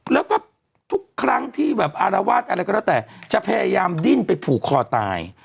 แล้วก็ทุกครั้งที่แบบอารวาสอะไรก็แล้วแต่จะพยายามดิ้นไปผูกคอตาย